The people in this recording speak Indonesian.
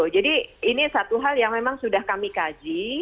jadi ini satu hal yang memang sudah kami kaji